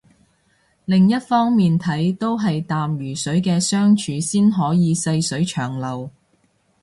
另一方面睇都係淡如水嘅相處先可以細水長流